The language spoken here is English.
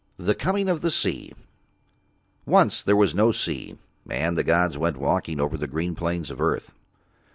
THE COMING OF THE SEA Once there was no sea, and the gods went walking over the green plains of earth.